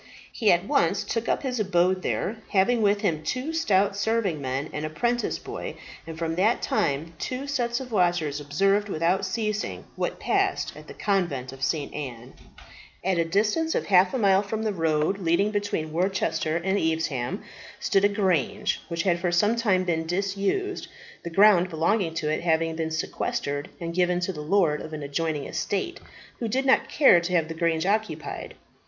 He at once took up his abode there, having with him two stout serving men, and a 'prentice boy; and from that time two sets of watchers observed without ceasing what passed at the Convent of St. Anne. At a distance of half a mile from the road leading between Worcester and Evesham, stood a grange, which had for some time been disused, the ground belonging to it having been sequestrated and given to the lord of an adjoining estate, who did not care to have the grange occupied.